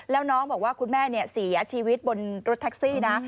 แล้วน้องบอกว่าคุณแม่เสียชีวิตบนรถแท็กซี่นะ